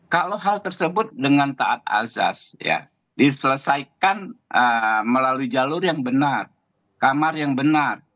kalau hal tersebut dengan taat azas diselesaikan melalui jalur yang benar kamar yang benar